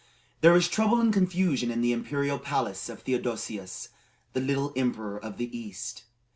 There was trouble and confusion in the imperial palace of Theodosius the Little, Emperor of the East.